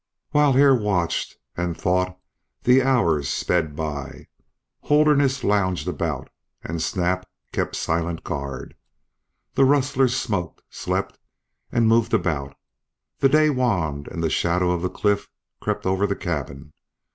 While Hare watched and thought the hours sped by. Holderness lounged about and Snap kept silent guard. The rustlers smoked, slept, and moved about; the day waned, and the shadow of the cliff crept over the cabin.